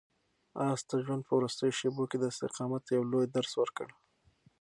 آس د ژوند په وروستیو شېبو کې د استقامت یو لوی درس ورکړ.